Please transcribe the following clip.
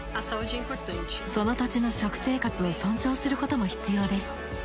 その土地の食生活を尊重することも必要です。